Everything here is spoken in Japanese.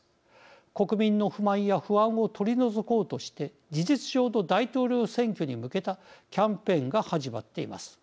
国民の不満や不安を取り除こうとして事実上の大統領選挙に向けたキャンペーンが始まっています。